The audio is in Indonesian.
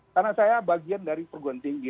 karena saya bagian dari perguruan tinggi